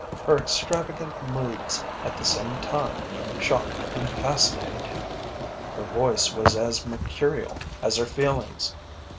Her extravagant moods at the same time shocked and fascinated him. Her voice was as mercurial as her feelings.